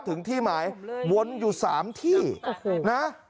ถึงที่หมายวนอยู่๓ที่นะ